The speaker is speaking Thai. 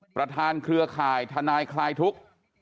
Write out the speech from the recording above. ประธานเครือข่ายธนายคลายทุกข์